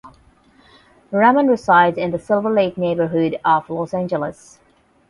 Raman resides in the Silver Lake neighborhood of Los Angeles.